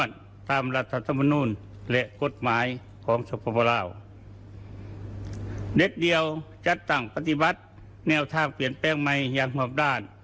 เด็ดเดียวจัดตั้งปฏิบัติแนวทางเปลี่ยนแปลงใหม่อย่างหมอบด้าน